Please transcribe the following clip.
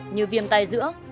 như viêm tay giữa